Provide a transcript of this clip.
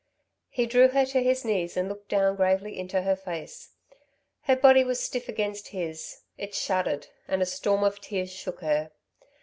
He drew her to his knees and looked down gravely into her face. Her body was stiff against his; it shuddered and a storm of tears shook her.